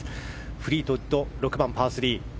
フリートウッド６番、パー３。